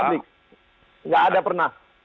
nggak ada pernah